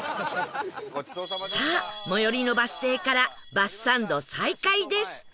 さあ最寄りのバス停からバスサンド再開です